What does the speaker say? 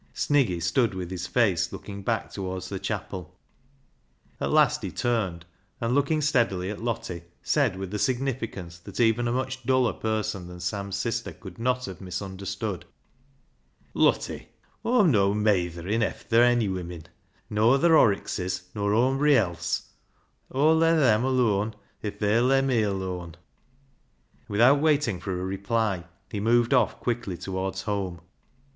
Sniggy stood with his face looking back towards the chapel. At last he turned, and looking steadily at Lottie, said, with a signi ficance that even a much duller person than Sam's sister could not have misunderstood —" Lottie, Aw'm no' meytherin' efther ony women, noather Horrockses nor awmbry else. Aw'U ler them alooan if they'll ler me alooan." And without waiting for a reply he moved off quickly towards home.